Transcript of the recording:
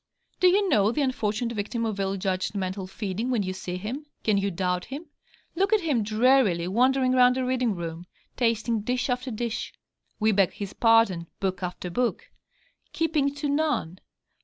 Do you know the unfortunate victim of ill judged mental feeding when you see him? Can you doubt him? Look at him drearily wandering round a reading room, tasting dish after dish we beg his pardon, book after book keeping to none.